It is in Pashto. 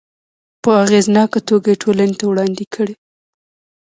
په اغیزناکه توګه یې ټولنې ته وړاندې کړي.